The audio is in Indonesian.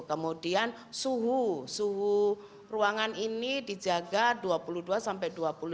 kemudian suhu suhu ruangan ini dijaga dua puluh dua sampai dua puluh lima